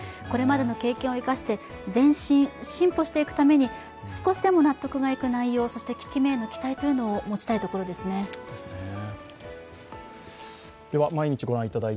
これまでの経験を生かして前進、進歩していくために、少しでも納得のいく内容、そして効き目への期待を持ちたいところですね。